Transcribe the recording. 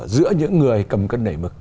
giữa những người cầm cân nảy mực